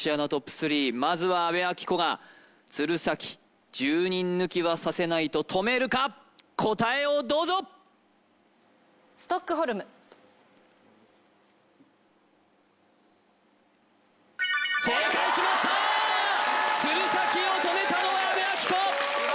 ３まずは阿部哲子が鶴崎１０人抜きはさせないと止めるか答えをどうぞ正解しました鶴崎を止めたのは阿部哲子